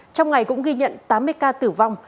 trong ngày cũng ghi nhận tám mươi ca tử vong